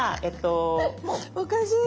おかしい。